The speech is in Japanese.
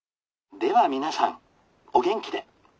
では皆さんお元気で。